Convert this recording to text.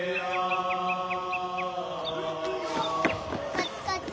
こっちこっち！